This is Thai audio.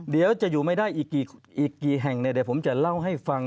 เดี๋ยวจะอยู่ไม่ได้อีกกี่แห่งผมจะเล่าให้ฟัง